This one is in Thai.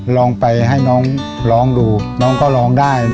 ลองไปให้น้องร้องดูน้องก็ร้องได้